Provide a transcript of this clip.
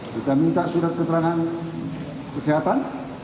kita minta surat keterangan kesehatan